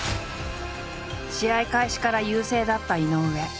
試合開始から優勢だった井上。